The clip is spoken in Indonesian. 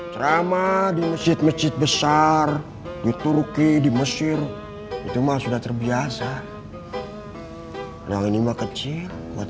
ceramah di masjid masjid besar di turki di mesir itu mah sudah terbiasa dengan lima kecil buat